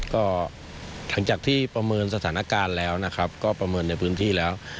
ก็หลังจากที่ประเมินสถานการณ์แล้วนะครับก็ประเมินในพื้นที่แล้ว